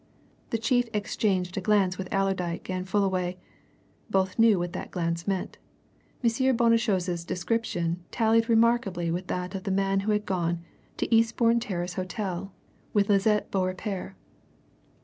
The chief exchanged a glance with Allerdyke and Fullaway both knew what that glance meant. M. Bonnechose's description tallied remarkably with that of the man who had gone to Eastbourne Terrace Hotel with Lisette Beaurepaire.